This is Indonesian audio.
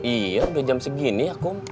iya udah jam segini ya kum